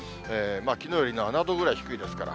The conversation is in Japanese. きのうより７度ぐらい低いですから。